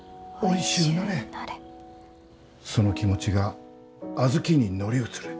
その気持ちが小豆に乗り移る。